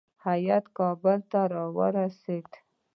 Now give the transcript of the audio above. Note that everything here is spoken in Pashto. هیات کابل ته ورسېد.